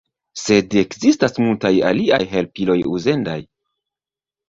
Sed ekzistas multaj aliaj helpiloj uzendaj.